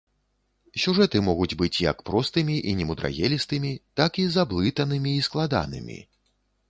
Сюжэты могуць быць як простымі і немудрагелістымі, так і заблытанымі і складанымі.